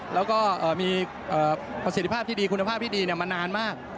แล้วก็มีประสิทธิภาพที่ดีคุณภาพที่ดีมานานมาก